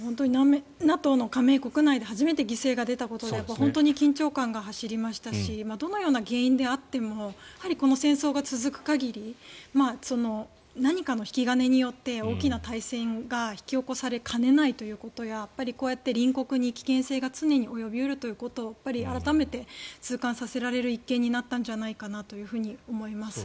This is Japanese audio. ＮＡＴＯの加盟国内で初めて犠牲が出たことで本当に緊張感が走りましたしどのような原因であってもやはり、この戦争が続く限り何かの引き金によって大きな大戦が引き起こされかねないということややっぱりこうやって隣国に危険性が常に及び得るということを改めて痛感させられる一件になったんじゃないかと思います。